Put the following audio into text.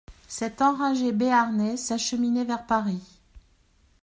Cet enragé Béarnais s'acheminait vers Paris.